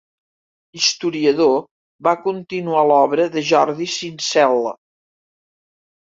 Historiador, va continuar l'obra de Jordi Sincel·le.